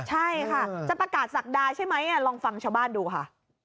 ใช่ค่ะจะประกาศศักดาใช่ไหมลองฟังชาวบ้านดูค่ะ